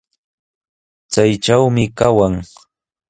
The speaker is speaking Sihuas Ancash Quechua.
Chaytrawmi kawan.